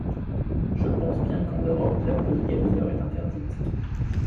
je pense bien qu’en Europe la polygamie leur est interdite.